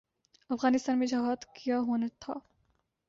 افغانستان میں جہاد کیا ہونا تھا۔